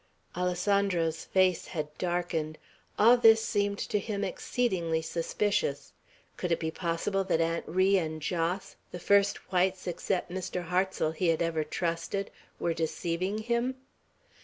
Alessandro's face had darkened. All this seemed to him exceedingly suspicious. Could it be possible that Aunt Ri and Jos, the first whites except Mr. Hartsel he had ever trusted, were deceiving him?